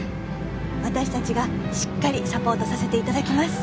私たちがしっかりサポートさせて頂きます。